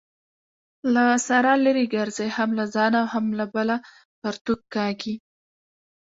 له سارا لري ګرځئ؛ هم له ځانه او هم بله پرتوګ کاږي.